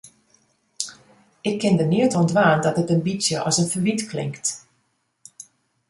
Ik kin der neat oan dwaan dat it in bytsje as in ferwyt klinkt.